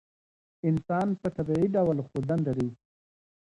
انسان په طبعي ډول خوځنده دی.